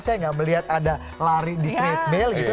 saya gak melihat ada lari di treadmill gitu